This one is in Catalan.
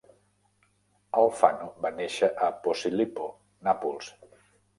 Alfano va néixer a Posillipo, Nàpols.